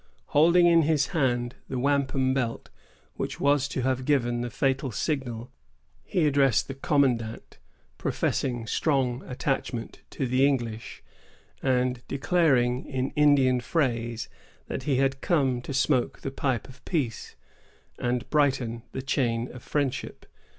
Holding in his hand the wampum belt which was to have given the fatal signal, he addressed the commandant, professing strong attachment to the English, and declaring, in Indian phrase, that he had come to smoke the pipe of peace, and brighten the chain of friendship.